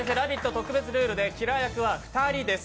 特別ルールでキラー役は２人です。